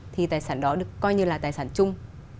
thì tài sản đó được coi như là tài sản chung